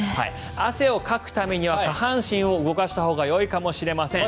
汗をかくためには下半身を動かしたほうがいいかもしれません。